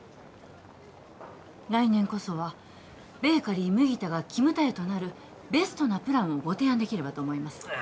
来年こそはベーカリー麦田がキムタヤとなるベストなプランをご提案できればと思います